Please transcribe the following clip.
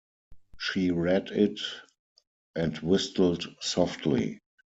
She read it and whistled softly.